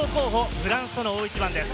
フランスの大一番です。